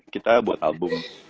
kita buat album